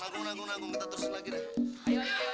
kayaknya kemarin kita duduk di sini nih